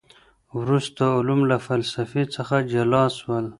وروسته علوم له فلسفې څخه جلا سول.